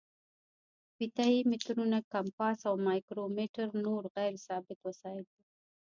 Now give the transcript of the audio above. فیته یي مترونه، کمپاس او مایکرو میټر نور غیر ثابت وسایل دي.